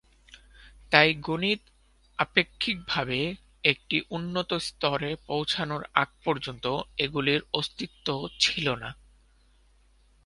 তাই গণিত আপেক্ষিকভাবে একটি উন্নত স্তরে পৌঁছানোর আগ পর্যন্ত এগুলির অস্তিত্ব ছিল না।